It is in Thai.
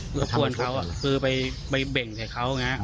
ก็พูดเขาคือไปเบ่งใส่เขาอย่างนี้